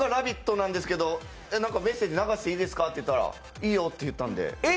なんですけどメッセージ流していいですかって言ったらいいよって言ってくれたんで。